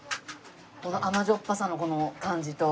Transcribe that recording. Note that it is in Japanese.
甘じょっぱさのこの感じと。